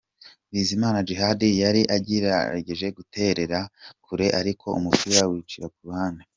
' Bizimana Djihad yari agerageje guterera kure ariko umupira wicira ku ruhande.